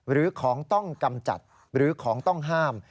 หรือของต้องกำจัดหรือของต้องห้าม